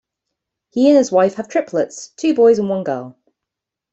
He and his wife have triplets; two boys and one girl.